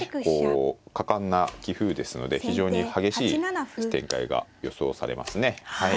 こう果敢な棋風ですので非常に激しい展開が予想されますね。